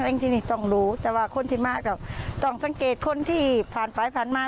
เองที่นี่ต้องรู้แต่ว่าคนที่มาก็ต้องสังเกตคนที่ผ่านไปผ่านมา